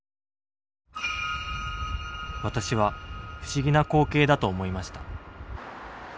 私は不思議な光景だと思いました。